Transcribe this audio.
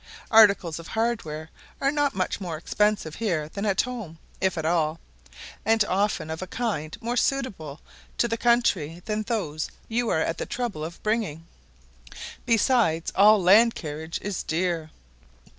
Articles of hardware are not much more expensive here than at home, if at all, and often of a kind more suitable to the country than those you are at the trouble of bringing; besides, all land carriage is dear.